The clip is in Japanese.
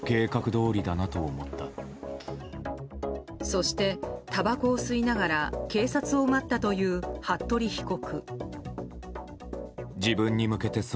そして、たばこを吸いながら警察を待ったという服部被告。